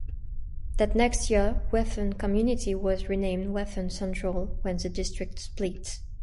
That next year Wheaton Community was renamed Wheaton Central when the district split.